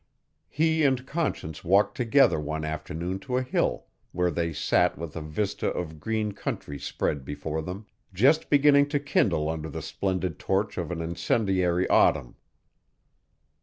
He and Conscience walked together one afternoon to a hill where they sat with a vista of green country spread before them, just beginning to kindle under the splendid torch of an incendiary autumn.